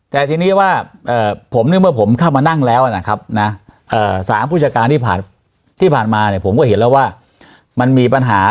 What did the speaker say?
แต่ทีนี้ว่าผมเนี่ยเมื่อผมเข้ามานั่งแล้วนะครับนะ๓ผู้จัดการที่ผ่านมาเนี่ยผมก็เห็นแล้วว่ามันมีปัญหา